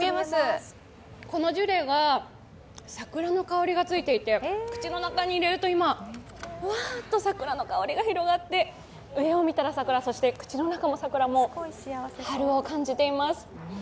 このジュレが、桜の香りがついていて口の中に入れると今、ふわっと桜の香りが広がって、上を見たら桜、口の中も桜、もう、春を感じています。